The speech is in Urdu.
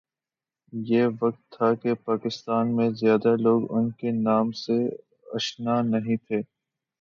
یہ وہ وقت تھا کہ پاکستان میں زیادہ لوگ ان کے نام سے آشنا نہیں تھے